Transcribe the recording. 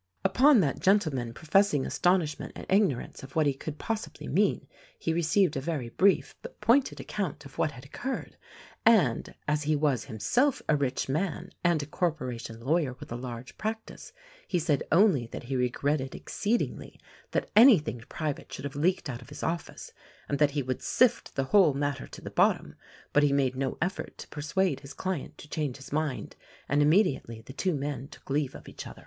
Upon that gentleman professing astonishment and ignorance of what he could possibly mean, he received a very brief but pointed account of what had occurred; and, as he was himself a rich man and a corporation lawyer with a large practice, he said only that he regretted exceed THE RECORDING ANGEL Sj ingly that anything private should have leaked out oi his office, and that he would sift the whole matter to the bot tom; but he made no effort to persuade his client to change his mind — and immediately the two men took leave of each other.